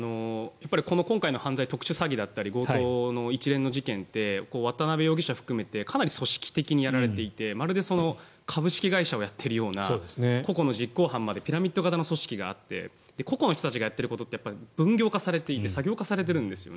この今回の犯罪は特殊詐欺など強盗の一連の事件って渡邉容疑者含めてかなり組織的にやられていてまるで株式会社をやっているような個々の実行犯までピラミッド型の組織があって個々の人たちに分業化されていて作業化されているんですよね。